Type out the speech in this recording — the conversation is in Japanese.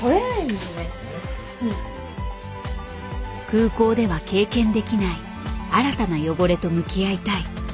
空港では経験できない新たな汚れと向き合いたい。